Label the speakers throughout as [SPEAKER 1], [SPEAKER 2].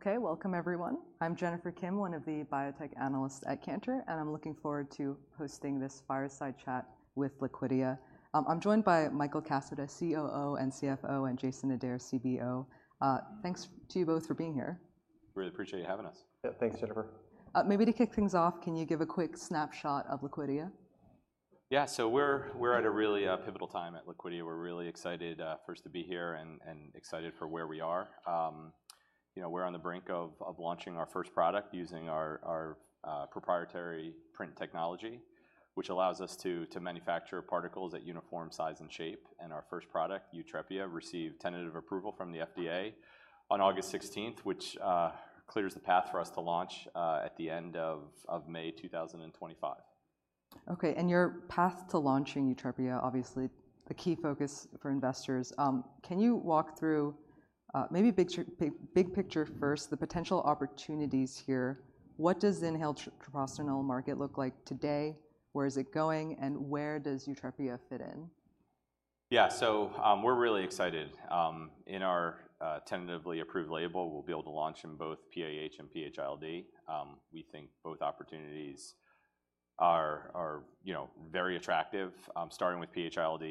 [SPEAKER 1] Okay, welcome everyone. I'm Jennifer Kim, one of the biotech analysts at Cantor, and I'm looking forward to hosting this fireside chat with Liquidia. I'm joined by Michael Kaseta, COO and CFO, and Jason Adair, CBO. Thanks to you both for being here.
[SPEAKER 2] Really appreciate you having us. Yeah. Thanks, Jennifer.
[SPEAKER 1] Maybe to kick things off, can you give a quick snapshot of Liquidia?
[SPEAKER 2] Yeah. So we're at a really pivotal time at Liquidia. We're really excited first to be here and excited for where we are. You know, we're on the brink of launching our first product using our proprietary PRINT technology, which allows us to manufacture particles at uniform size and shape, and our first product, YUTREPIA, received tentative approval from the FDA on August 16th, which clears the path for us to launch at the end of May 2025.
[SPEAKER 1] Okay, and your path to launching YUTREPIA, obviously a key focus for investors. Can you walk through, maybe big picture first, the potential opportunities here. What does the inhaled treprostinil market look like today? Where is it going, and where does YUTREPIA fit in?
[SPEAKER 2] Yeah, so, we're really excited. In our tentatively approved label, we'll be able to launch in both PAH and PH-ILD. We think both opportunities are, you know, very attractive. Starting with PH-ILD,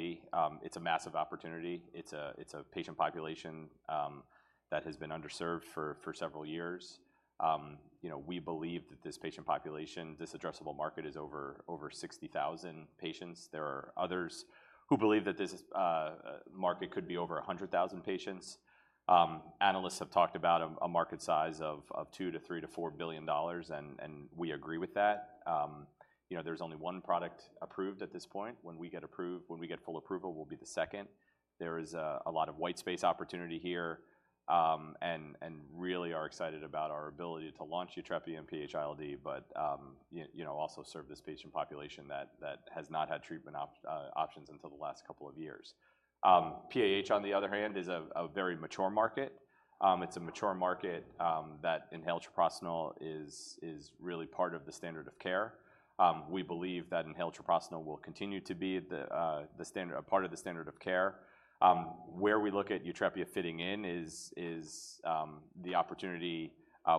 [SPEAKER 2] it's a massive opportunity. It's a patient population that has been underserved for several years. You know, we believe that this patient population, this addressable market, is over sixty thousand patients. There are others who believe that this market could be over a hundred thousand patients. Analysts have talked about a market size of $2 billion-$3 billion-$4 billion, and we agree with that. You know, there's only one product approved at this point. When we get full approval, we'll be the second. There is a lot of white space opportunity here, and really are excited about our ability to launch YUTREPIA in PH-ILD, but, you know, also serve this patient population that has not had treatment options until the last couple of years. PAH, on the other hand, is a very mature market. It's a mature market that inhaled treprostinil is really part of the standard of care. We believe that inhaled treprostinil will continue to be the standard-- a part of the standard of care. Where we look at YUTREPIA fitting in is the opportunity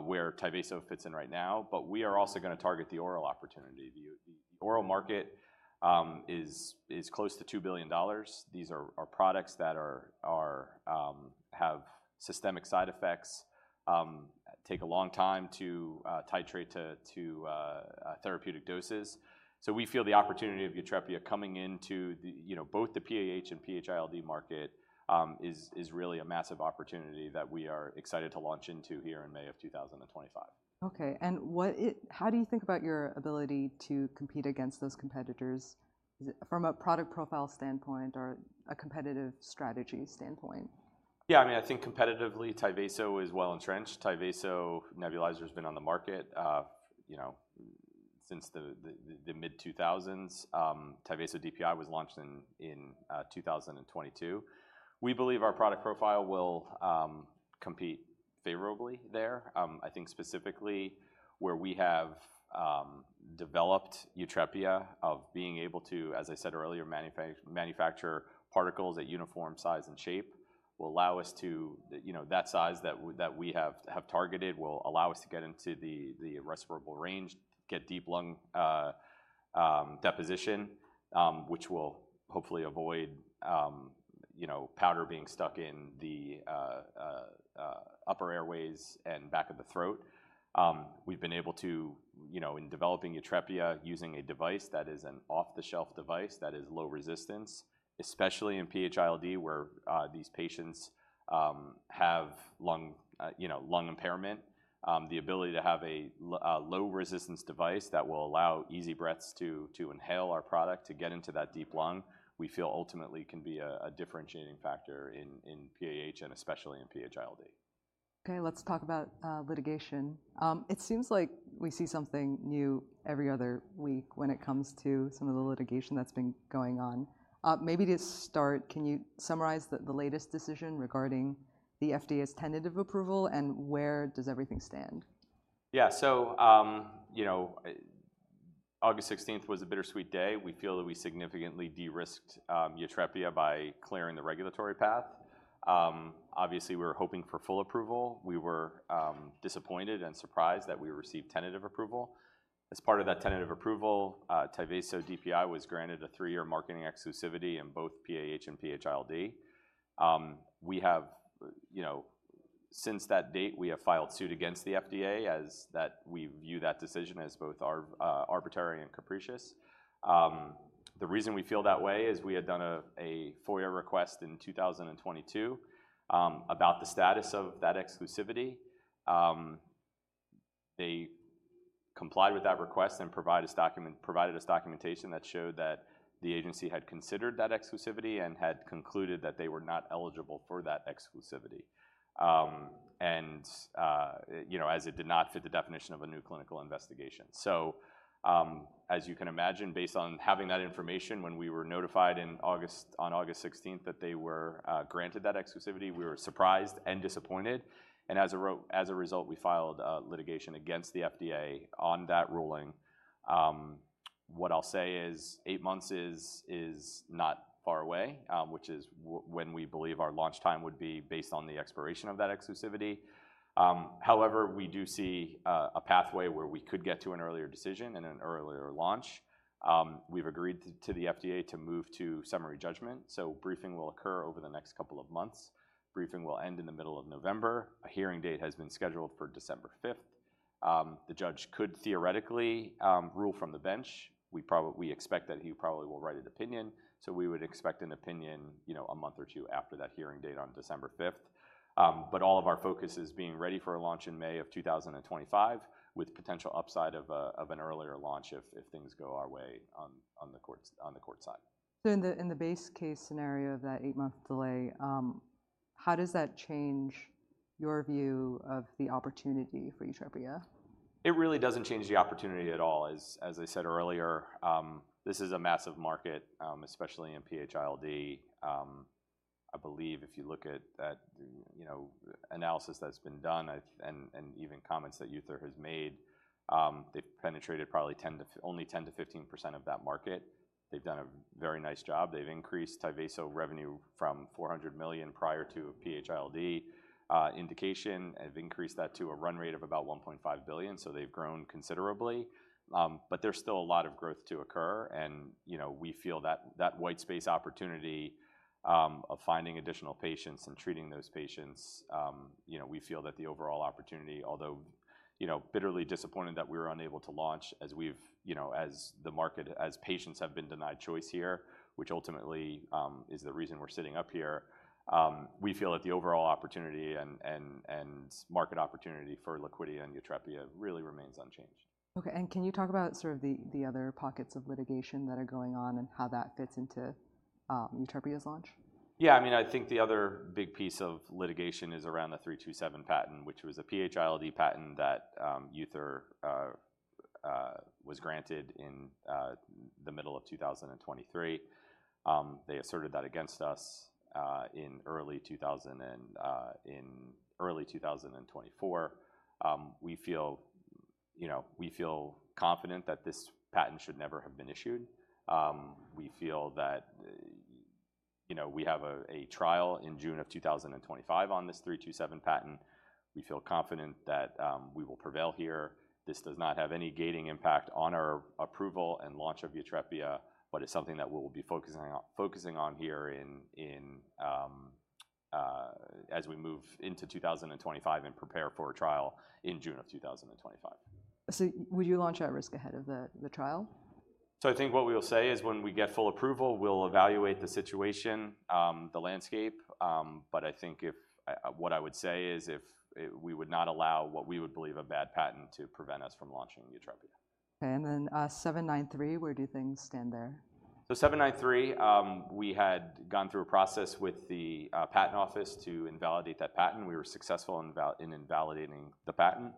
[SPEAKER 2] where Tyvaso fits in right now, but we are also gonna target the oral opportunity. The oral market is close to $2 billion. These are products that have systemic side effects, take a long time to titrate to therapeutic doses. So we feel the opportunity of YUTREPIA coming into the, you know, both the PAH and PH-ILD market, is really a massive opportunity that we are excited to launch into here in May of 2025.
[SPEAKER 1] Okay, and what is, how do you think about your ability to compete against those competitors? Is it from a product profile standpoint or a competitive strategy standpoint?
[SPEAKER 2] Yeah, I mean, I think competitively, Tyvaso is well entrenched. Tyvaso nebulizer's been on the market, you know, since the mid-2000s. Tyvaso DPI was launched in 2022. We believe our product profile will compete favorably there. I think specifically where we have developed YUTREPIA of being able to, as I said earlier, manufacture particles at uniform size and shape, will allow us to, you know, that size that we have targeted will allow us to get into the respirable range, get deep lung deposition, which will hopefully avoid, you know, powder being stuck in the upper airways and back of the throat. We've been able to, you know, in developing YUTREPIA, using a device that is an off-the-shelf device that is low resistance, especially in PH-ILD, where these patients have lung, you know, lung impairment. The ability to have a low resistance device that will allow easy breaths to inhale our product to get into that deep lung, we feel ultimately can be a differentiating factor in PAH and especially in PH-ILD.
[SPEAKER 1] Okay, let's talk about litigation. It seems like we see something new every other week when it comes to some of the litigation that's been going on. Maybe to start, can you summarize the latest decision regarding the FDA's tentative approval, and where does everything stand?
[SPEAKER 2] Yeah. So you know, August 16th was a bittersweet day. We feel that we significantly de-risked YUTREPIA by clearing the regulatory path. Obviously, we were hoping for full approval. We were disappointed and surprised that we received tentative approval. As part of that tentative approval, Tyvaso DPI was granted a three-year marketing exclusivity in both PAH and PH-ILD. We have, you know. Since that date, we have filed suit against the FDA as that we view that decision as both arbitrary and capricious. The reason we feel that way is we had done a FOIA request in 2022 about the status of that exclusivity. They complied with that request and provided us documentation that showed that the agency had considered that exclusivity and had concluded that they were not eligible for that exclusivity, and, you know, as it did not fit the definition of a new clinical investigation. As you can imagine, based on having that information when we were notified in August, on August 16th, that they were granted that exclusivity, we were surprised and disappointed, and as a result, we filed litigation against the FDA on that ruling. What I'll say is, eight months is not far away, which is when we believe our launch time would be based on the expiration of that exclusivity. However, we do see a pathway where we could get to an earlier decision and an earlier launch. We've agreed to the FDA to move to summary judgment, so briefing will occur over the next couple of months. Briefing will end in the middle of November. A hearing date has been scheduled for December 5th. The judge could theoretically rule from the bench. We expect that he probably will write an opinion, so we would expect an opinion, you know, a month or two after that hearing date on December 5th. But all of our focus is being ready for a launch in May of 2025, with potential upside of an earlier launch if things go our way on the court side.
[SPEAKER 1] In the base case scenario of that eight-month delay, how does that change your view of the opportunity for YUTREPIA?
[SPEAKER 2] It really doesn't change the opportunity at all. As, as I said earlier, this is a massive market, especially in PH-ILD. I believe if you look at that, you know, analysis that's been done, and even comments that UTHR has made, they've penetrated probably 10%-15% of that market. They've done a very nice job. They've increased Tyvaso revenue from $400 million prior to PH-ILD indication, have increased that to a run rate of about $1.5 billion, so they've grown considerably. But there's still a lot of growth to occur and, you know, we feel that that white space opportunity of finding additional patients and treating those patients, you know, we feel that the overall opportunity, although, you know, bitterly disappointed that we were unable to launch, as we've, you know, as patients have been denied choice here, which ultimately is the reason we're sitting up here, we feel that the overall opportunity and market opportunity for Liquidia and YUTREPIA really remains unchanged.
[SPEAKER 1] Okay, and can you talk about sort of the other pockets of litigation that are going on and how that fits into YUTREPIA's launch?
[SPEAKER 2] Yeah, I mean, I think the other big piece of litigation is around the 327 patent, which was a PH-ILD patent that, UTHR, was granted in the middle of 2023. They asserted that against us in early 2024. We feel, you know, we feel confident that this patent should never have been issued. We feel that, you know, we have a trial in June of 2025 on this 327 patent. We feel confident that we will prevail here. This does not have any gating impact on our approval and launch of YUTREPIA, but it's something that we will be focusing on here in as we move into 2025 and prepare for a trial in June of 2025.
[SPEAKER 1] So would you launch at risk ahead of the trial?
[SPEAKER 2] So I think what we will say is, when we get full approval, we'll evaluate the situation, the landscape. But I think we would not allow what we would believe a bad patent to prevent us from launchingYUTREPIA.
[SPEAKER 1] Okay, and then, 793, where do things stand there?
[SPEAKER 2] 793, we had gone through a process with the patent office to invalidate that patent. We were successful in invalidating the patent.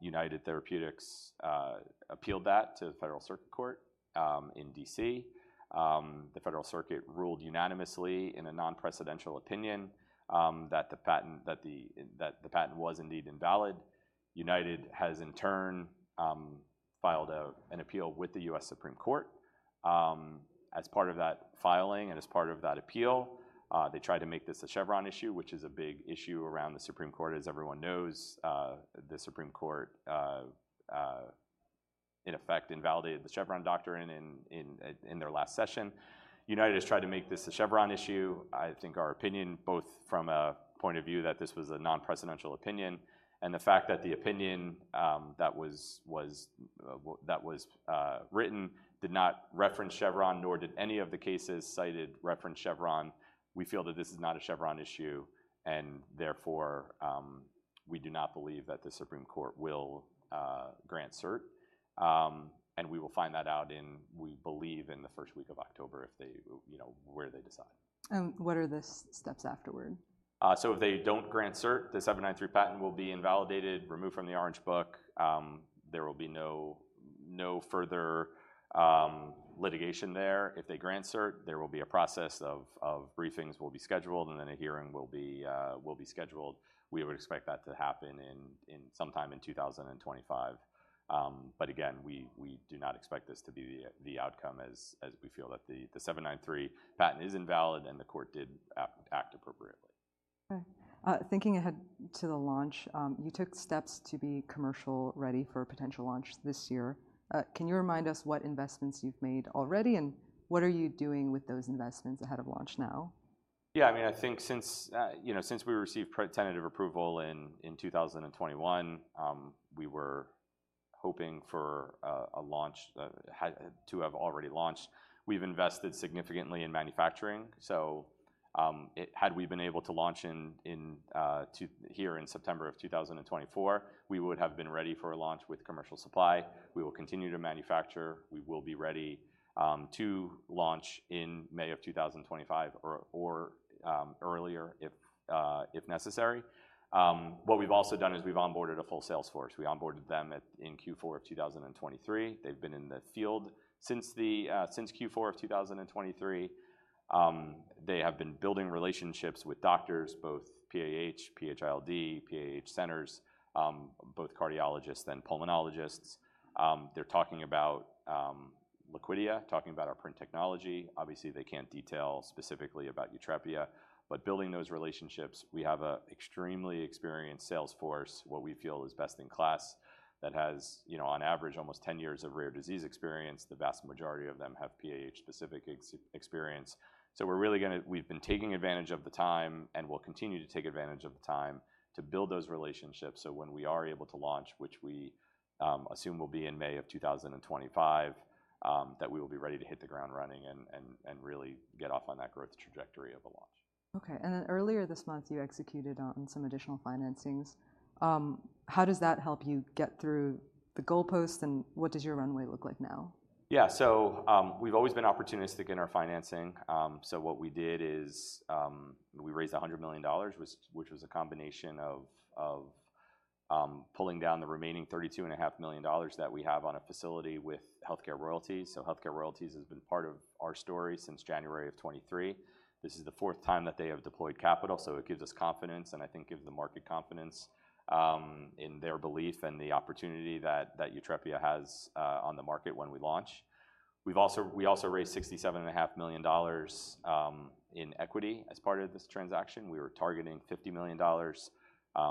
[SPEAKER 2] United Therapeutics appealed that to the Federal Circuit Court in D.C. The Federal Circuit ruled unanimously in a non-precedential opinion that the patent was indeed invalid. United has, in turn, filed an appeal with the U.S. Supreme Court. As part of that filing and as part of that appeal, they tried to make this a Chevron issue, which is a big issue around the Supreme Court. As everyone knows, the Supreme Court in effect invalidated the Chevron doctrine in their last session. United has tried to make this a Chevron issue. I think our opinion, both from a point of view that this was a non-precedential opinion and the fact that the opinion that was written did not reference Chevron, nor did any of the cases cited reference Chevron. We feel that this is not a Chevron issue, and therefore, we do not believe that the Supreme Court will grant cert, and we will find that out in, we believe, in the first week of October, if they, you know, where they decide.
[SPEAKER 1] What are the steps afterward?
[SPEAKER 2] If they don't grant cert, the 793 patent will be invalidated, removed from the Orange Book. There will be no further litigation there. If they grant cert, there will be a process of briefings will be scheduled, and then a hearing will be scheduled. We would expect that to happen sometime in 2025. Again, we do not expect this to be the outcome as we feel that the 793 patent is invalid, and the court did act appropriately.
[SPEAKER 1] Okay. Thinking ahead to the launch, you took steps to be commercial-ready for a potential launch this year. Can you remind us what investments you've made already, and what are you doing with those investments ahead of launch now?
[SPEAKER 2] Yeah, I mean, I think since you know since we received tentative approval in 2021, we were hoping for a launch to have already launched. We've invested significantly in manufacturing, so had we been able to launch in September of 2024, we would have been ready for a launch with commercial supply. We will continue to manufacture. We will be ready to launch in May of 2025 or earlier, if necessary. What we've also done is we've onboarded a full sales force. We onboarded them in Q4 of 2023. They've been in the field since Q4 of 2023. They have been building relationships with doctors, both PAH, PH-ILD, PAH centers, both cardiologists and pulmonologists. They're talking about Liquidia, talking about our PRINT technology. Obviously, they can't detail specifically about YUTREPIA, but building those relationships, we have an extremely experienced sales force, what we feel is best-in-class, that has, you know, on average, almost 10 years of rare disease experience. The vast majority of them have PAH-specific experience. So we're really gonna. We've been taking advantage of the time, and will continue to take advantage of the time to build those relationships, so when we are able to launch, which we assume will be in May of 2025, that we will be ready to hit the ground running and really get off on that growth trajectory of a launch.
[SPEAKER 1] Okay, and then earlier this month, you executed on some additional financings. How does that help you get through the goalpost, and what does your runway look like now?
[SPEAKER 2] Yeah. So, we've always been opportunistic in our financing. So what we did is, we raised $100 million, which was a combination of pulling down the remaining $32.5 million that we have on a facility with HealthCare Royalty. So HealthCare Royalty has been part of our story since January of 2023. This is the fourth time that they have deployed capital, so it gives us confidence, and I think gives the market confidence, in their belief and the opportunity that YUTREPIA has, on the market when we launch. We also raised $67.5 million in equity as part of this transaction. We were targeting $50 million.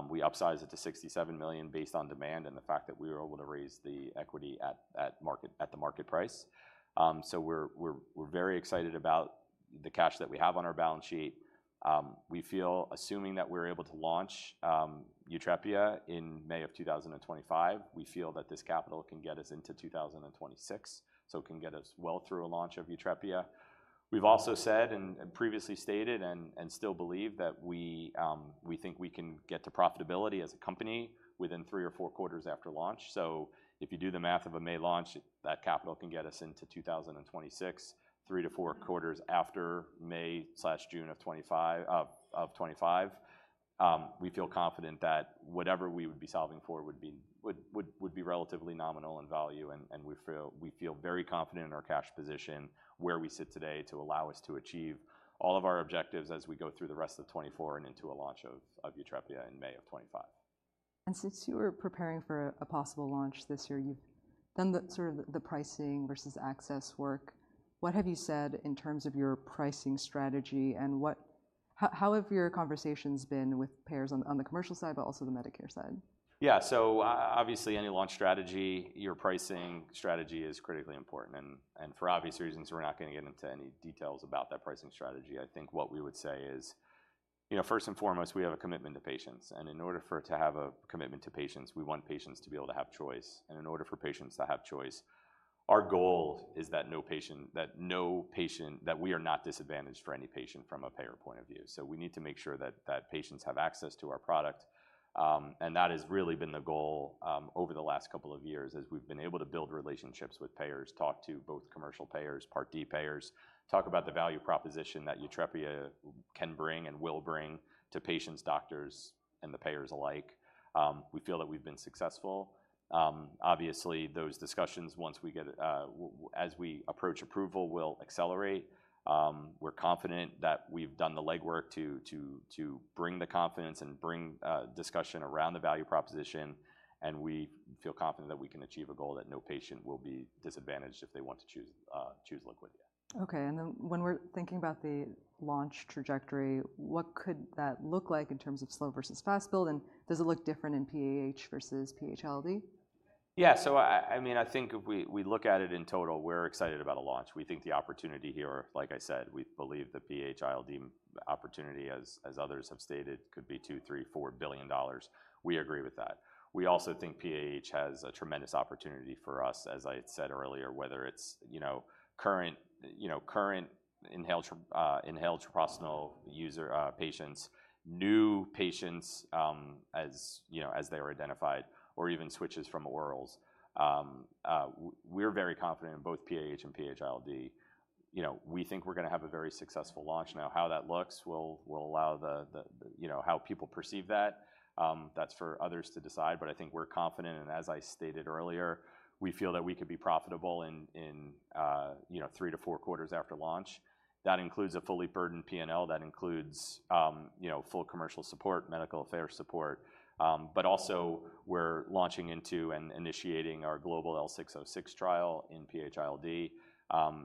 [SPEAKER 2] We upsized it to $67 million based on demand and the fact that we were able to raise the equity at the market price. So we're very excited about the cash that we have on our balance sheet. We feel assuming that we're able to launch YUTREPIA in May of 2025, we feel that this capital can get us into 2026, so it can get us well through a launch of YUTREPIA. We've also said and previously stated and still believe that we think we can get to profitability as a company within three or four quarters after launch. So if you do the math of a May launch, that capital can get us into 2026, three to four quarters after May/June of 2025. We feel confident that whatever we would be solving for would be relatively nominal in value, and we feel very confident in our cash position, where we sit today, to allow us to achieve all of our objectives as we go through the rest of 2024 and into a launch of YUTREPIA in May of 2025.
[SPEAKER 1] And since you are preparing for a possible launch this year, you've done the sort of pricing versus access work. What have you said in terms of your pricing strategy, and what... How have your conversations been with payers on the commercial side, but also the Medicare side?
[SPEAKER 2] Yeah. So obviously, any launch strategy, your pricing strategy is critically important, and for obvious reasons, we're not gonna get into any details about that pricing strategy. I think what we would say is, you know, first and foremost, we have a commitment to patients, and in order for it to have a commitment to patients, we want patients to be able to have choice. And in order for patients to have choice, our goal is that no patient that we are not disadvantaged for any patient from a payer point of view. We need to make sure that patients have access to our product, and that has really been the goal over the last couple of years, as we've been able to build relationships with payers, talk to both commercial payers, Part D payers, talk about the value proposition that YUTREPIA can bring and will bring to patients, doctors, and the payers alike. We feel that we've been successful. Obviously, those discussions, as we approach approval, will accelerate. We're confident that we've done the legwork to bring the confidence and bring discussion around the value proposition, and we feel confident that we can achieve a goal that no patient will be disadvantaged if they want to choose Liquidia.
[SPEAKER 1] Okay, and then when we're thinking about the launch trajectory, what could that look like in terms of slow versus fast build, and does it look different in PAH versus PH-ILD?
[SPEAKER 2] Yeah. So I mean, I think if we look at it in total, we're excited about a launch. We think the opportunity here, like I said, we believe the PH-ILD opportunity as others have stated, could be $2 billion-$4 billion. We agree with that. We also think PAH has a tremendous opportunity for us, as I had said earlier, whether it's, you know, current inhaled treprostinil user patients, new patients, as you know, as they were identified, or even switches from orals. We're very confident in both PAH and PH-ILD. You know, we think we're gonna have a very successful launch. Now, how that looks will allow the, you know, how people perceive that, that's for others to decide, but I think we're confident, and as I stated earlier, we feel that we could be profitable in, you know, three to four quarters after launch. That includes a fully burdened P&L, that includes, you know, full commercial support, medical affairs support. But also, we're launching into and initiating our global L606 trial in PH-ILD,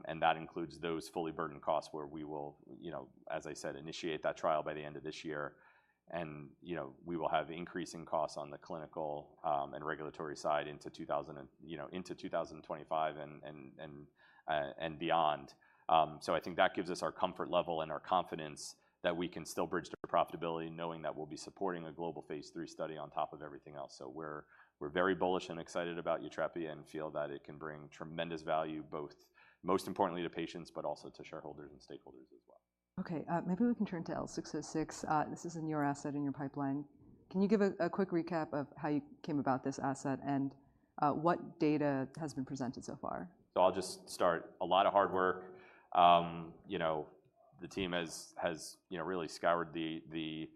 [SPEAKER 2] and that includes those fully burdened costs, where we will, you know, as I said, initiate that trial by the end of this year. We will have increasing costs on the clinical, and regulatory side into 2025 and beyond. I think that gives us our comfort level and our confidence that we can still bridge to profitability, knowing that we'll be supporting a global Phase III study on top of everything else. We're very bullish and excited about YUTREPIA and feel that it can bring tremendous value, both most importantly to patients, but also to shareholders and stakeholders as well.
[SPEAKER 1] Okay. Maybe we can turn to L606. This is in your asset, in your pipeline. Can you give a quick recap of how you came about this asset, and what data has been presented so far?
[SPEAKER 2] So I'll just start. A lot of hard work. You know, the team has you know really scoured the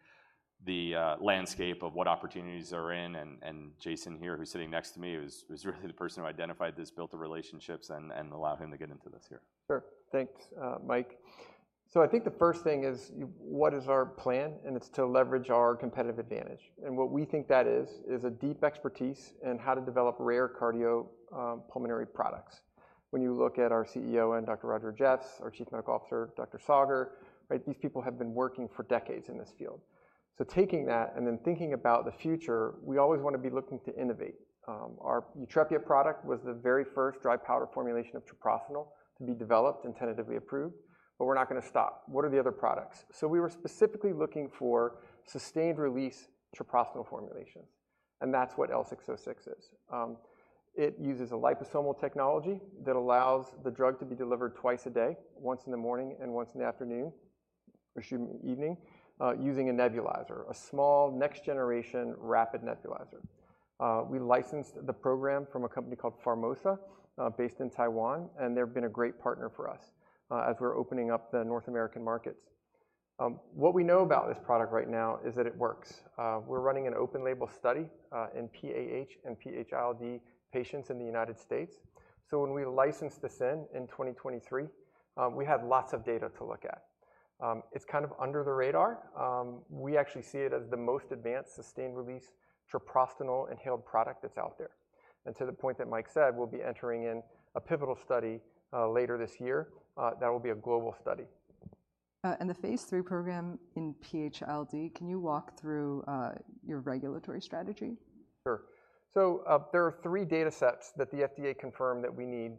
[SPEAKER 2] landscape of what opportunities are in. And Jason here, who's sitting next to me, was really the person who identified this, built the relationships, and allowed him to get into this here.
[SPEAKER 3] Sure. Thanks, Mike. So I think the first thing is, what is our plan? And it's to leverage our competitive advantage. And what we think that is, is a deep expertise in how to develop rare cardio, pulmonary products. When you look at our CEO, and Dr. Roger Jeffs, our Chief Medical Officer, Dr. Saggar, right? These people have been working for decades in this field. So taking that and then thinking about the future, we always want to be looking to innovate. Our YUTREPIA product was the very first dry powder formulation of treprostinil to be developed and tentatively approved, but we're not gonna stop. What are the other products? So we were specifically looking for sustained release treprostinil formulations, and that's what L606 is. It uses a liposomal technology that allows the drug to be delivered twice a day, once in the morning and once in the afternoon, or excuse me, evening, using a nebulizer, a small, next generation, rapid nebulizer. We licensed the program from a company called Pharmosa, based in Taiwan, and they've been a great partner for us, as we're opening up the North American markets. What we know about this product right now is that it works. We're running an open label study in PAH and PH-ILD patients in the United States. So when we license this in 2023, we have lots of data to look at. It's kind of under the radar. We actually see it as the most advanced sustained release treprostinil inhaled product that's out there. And to the point that Mike said, we'll be entering in a pivotal study later this year. That will be a global study.
[SPEAKER 1] And the Phase III program in PH-ILD, can you walk through your regulatory strategy?
[SPEAKER 3] Sure. So, there are three data sets that the FDA confirmed that we need,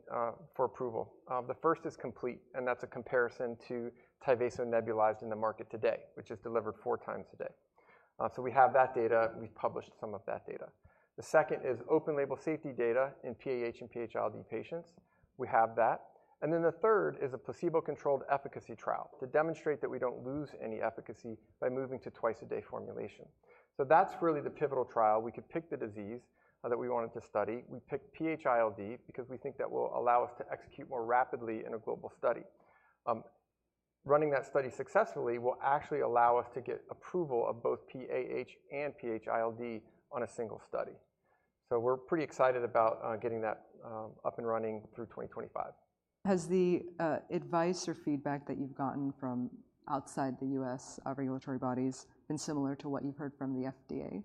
[SPEAKER 3] for approval. The first is complete, and that's a comparison to Tyvaso nebulized in the market today, which is delivered four times a day. So we have that data. We've published some of that data. The second is open label safety data in PAH and PH-ILD patients. We have that. And then the third is a placebo-controlled efficacy trial to demonstrate that we don't lose any efficacy by moving to twice a day formulation. So that's really the pivotal trial. We could pick the disease, that we wanted to study. We picked PH-ILD because we think that will allow us to execute more rapidly in a global study. Running that study successfully will actually allow us to get approval of both PAH and PH-ILD on a single study. So we're pretty excited about getting that up and running through 2025.
[SPEAKER 1] Has the advice or feedback that you've gotten from outside the U.S. regulatory bodies been similar to what you've heard from the FDA?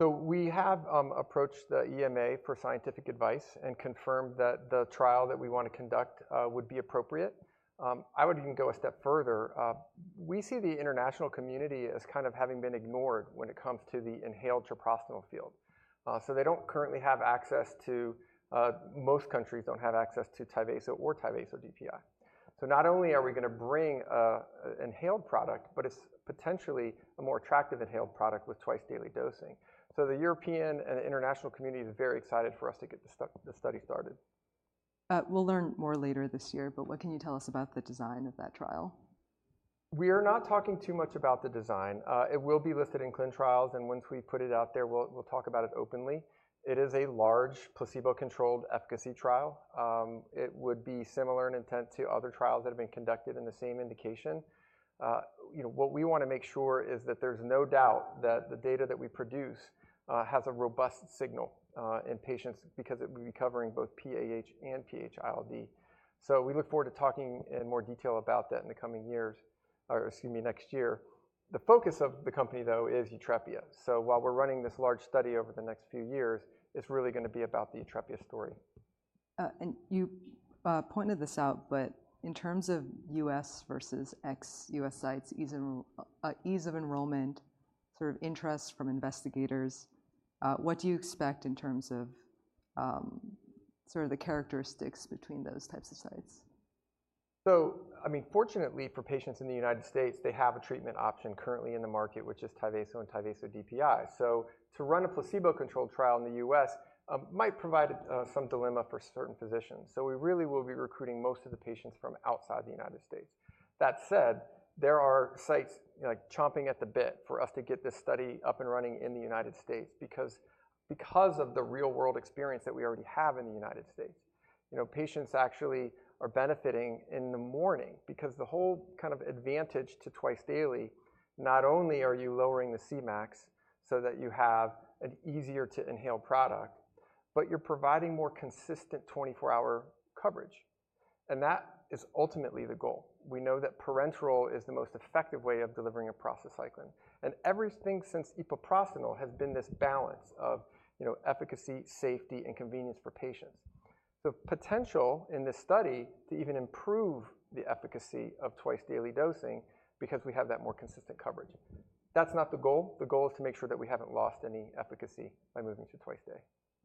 [SPEAKER 3] So we have approached the EMA for scientific advice and confirmed that the trial that we want to conduct would be appropriate. I would even go a step further. We see the international community as kind of having been ignored when it comes to the inhaled treprostinil field. So they don't currently have access to most countries don't have access to Tyvaso or Tyvaso DPI. So not only are we gonna bring a inhaled product, but it's potentially a more attractive inhaled product with twice daily dosing. So the European and the international community is very excited for us to get the study started.
[SPEAKER 1] We'll learn more later this year, but what can you tell us about the design of that trial?
[SPEAKER 3] We are not talking too much about the design. It will be listed in clinical trials, and once we put it out there, we'll talk about it openly. It is a large placebo-controlled efficacy trial. It would be similar in intent to other trials that have been conducted in the same indication. You know, what we wanna make sure is that there's no doubt that the data that we produce has a robust signal in patients because it will be covering both PAH and PH-ILD, so we look forward to talking in more detail about that in the coming years, or excuse me, next year. The focus of the company, though, is YUTREPIA, so while we're running this large study over the next few years, it's really gonna be about the YUTREPIA story.
[SPEAKER 1] And you pointed this out, but in terms of U.S. versus ex-U.S. sites, ease of enrollment, sort of interest from investigators, what do you expect in terms of sort of the characteristics between those types of sites?
[SPEAKER 3] So, I mean, fortunately for patients in the United States, they have a treatment option currently in the market, which is Tyvaso and Tyvaso DPI. So to run a placebo-controlled trial in the U.S. might provide some dilemma for certain physicians. So we really will be recruiting most of the patients from outside the United States. That said, there are sites, you know, chomping at the bit for us to get this study up and running in the United States, because of the real-world experience that we already have in the United States. You know, patients actually are benefiting in the morning because the whole kind of advantage to twice daily, not only are you lowering the Cmax so that you have an easier to inhale product, but you're providing more consistent 24-hour coverage, and that is ultimately the goal. We know that parenteral is the most effective way of delivering epoprostenol, and everything since epoprostenol has been this balance of, you know, efficacy, safety, and convenience for patients. The potential in this study to even improve the efficacy of twice daily dosing because we have that more consistent coverage. That's not the goal. The goal is to make sure that we haven't lost any efficacy by moving to twice a day.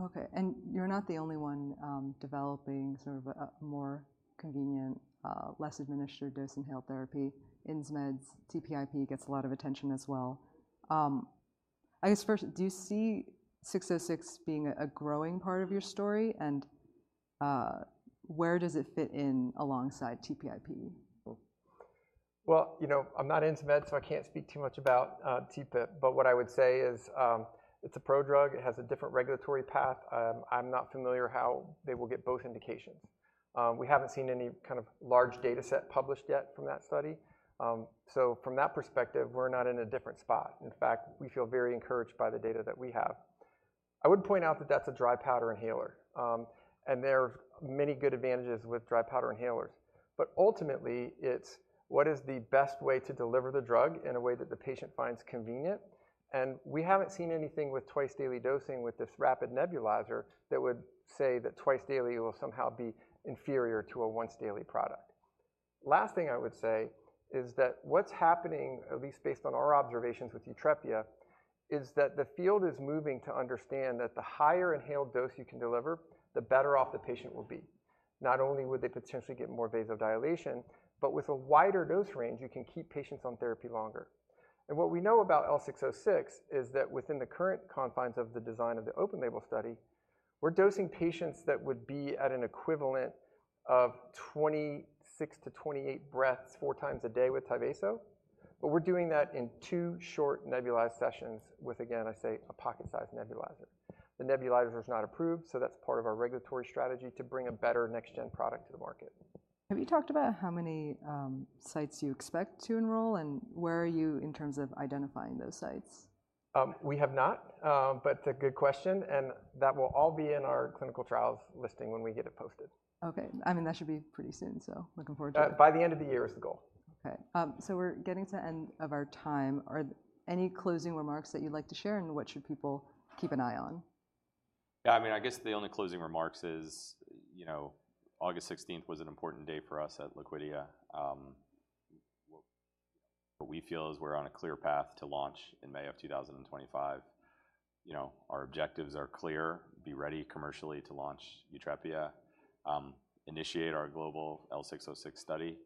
[SPEAKER 1] Okay, and you're not the only one developing sort of a more convenient less administered dose inhaled therapy. Insmed's TPIP gets a lot of attention as well. I guess first, do you see 606 being a growing part of your story, and where does it fit in alongside TPIP?
[SPEAKER 3] You know, I'm not Insmed, so I can't speak too much about TPIP, but what I would say is, it's a prodrug. It has a different regulatory path. I'm not familiar how they will get both indications. We haven't seen any kind of large dataset published yet from that study. So from that perspective, we're not in a different spot. In fact, we feel very encouraged by the data that we have. I would point out that that's a dry powder inhaler. And there are many good advantages with dry powder inhalers, but ultimately, it's what is the best way to deliver the drug in a way that the patient finds convenient? And we haven't seen anything with twice-daily dosing with this rapid nebulizer that would say that twice daily will somehow be inferior to a once daily product. Last thing I would say is that what's happening, at least based on our observations with YUTREPIA, is that the field is moving to understand that the higher inhaled dose you can deliver, the better off the patient will be. Not only would they potentially get more vasodilation, but with a wider dose range, you can keep patients on therapy longer. And what we know about L606 is that within the current confines of the design of the open label study, we're dosing patients that would be at an equivalent of 26-28 breaths, 4 times a day with Tyvaso, but we're doing that in two short nebulized sessions with, again, I say, a pocket-sized nebulizer. The nebulizer is not approved, so that's part of our regulatory strategy to bring a better next gen product to the market.
[SPEAKER 1] Have you talked about how many sites you expect to enroll, and where are you in terms of identifying those sites?
[SPEAKER 3] We have not, but a good question, and that will all be in our clinical trials listing when we get it posted.
[SPEAKER 1] Okay. I mean, that should be pretty soon, so looking forward to it.
[SPEAKER 3] By the end of the year is the goal.
[SPEAKER 1] Okay. So we're getting to the end of our time. Are any closing remarks that you'd like to share, and what should people keep an eye on?
[SPEAKER 2] Yeah, I mean, I guess the only closing remarks is, you know, August 16th was an important day for us at Liquidia. What we feel is we're on a clear path to launch in May of 2025. You know, our objectives are clear, be ready commercially to launch YUTREPIA, initiate our global L606 study.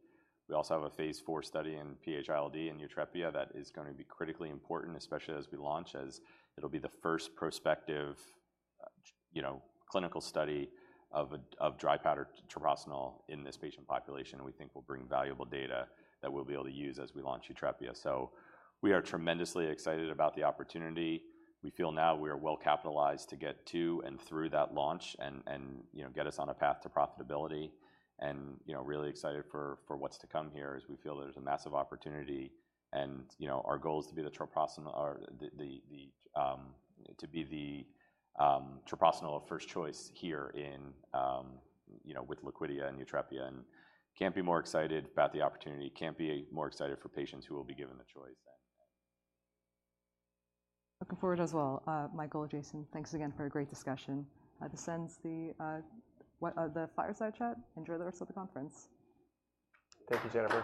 [SPEAKER 2] We also have a Phase IV study in PH-ILD in YUTREPIA that is gonna be critically important, especially as we launch, as it'll be the first prospective, you know, clinical study of dry powder treprostinil in this patient population, and we think will bring valuable data that we'll be able to use as we launch YUTREPIA. So we are tremendously excited about the opportunity. We feel now we are well capitalized to get to and through that launch and you know get us on a path to profitability and you know really excited for what's to come here as we feel there's a massive opportunity, and you know our goal is to be the treprostinil of first choice here in you know with Liquidia and YUTREPIA, and can't be more excited about the opportunity, can't be more excited for patients who will be given the choice then.
[SPEAKER 1] Looking forward as well. Michael, Jason, thanks again for a great discussion. This ends the fireside chat. Enjoy the rest of the conference.
[SPEAKER 2] Thank you, Jennifer.